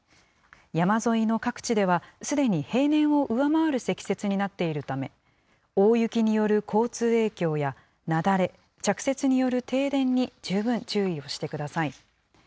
山沿いの各地では、すでに平年を上回る積雪になっているため、大雪による交通影響や雪崩、着雪による停電に十分注意をしてください。